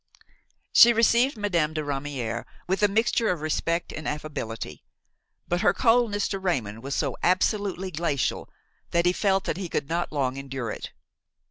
She received Madame de Ramière with a mixture of respect and affability; but her coldness to Raymon was so absolutely glacial that he felt that he could not long endure it.